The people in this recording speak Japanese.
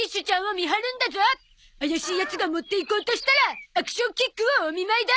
怪しいヤツが持っていこうとしたらアクションキックをお見舞いだ！